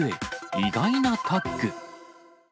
意外なタッグ。